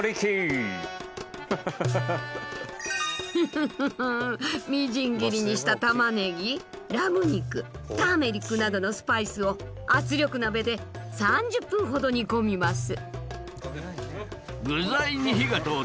フフフフみじん切りにしたたまねぎラム肉ターメリックなどのスパイスを圧力鍋で３０分ほど煮込みます。